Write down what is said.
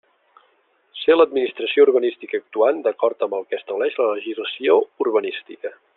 Ser l'Administració urbanística actuant d'acord amb el que estableix la legislació urbanística.